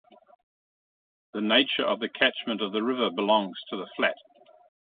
The nature of the catchment of the river belongs to the flat.